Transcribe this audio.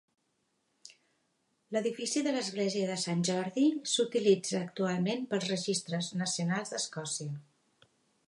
L'edifici de l'església de Sant Jordi s'utilitza actualment pels registres nacionals d'Escòcia.